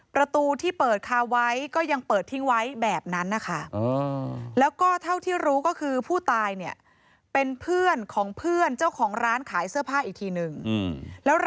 ประตูที่เปิดคาไว้ก็ยังเปิดทิ้งไว้แบบนั้นนะคะ